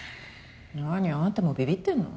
何あんたもビビってんの？